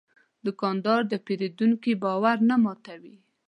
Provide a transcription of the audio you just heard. دوکاندار د پېرودونکي باور نه ماتوي.